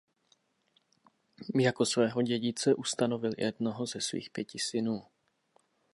Jako svého dědice ustanovil jednoho ze svých pěti synů.